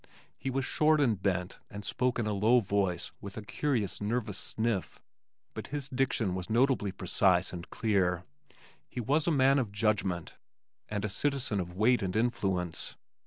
He was short and bent and spoke in a low voice with a curious nervous sniff, but his diction was notably precise and clear. He was a man of judgment, and a citizen of weight and influence.